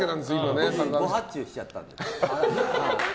僕、誤発注しちゃったんで。